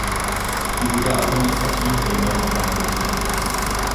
Sie wurde administrativ der Neumark eingegliedert.